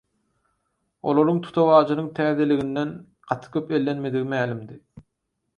Olaryň tutawajynyň täzeliginden gaty köp ellenmedigi mälimdi.